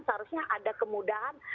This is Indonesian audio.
seharusnya ada kemudahan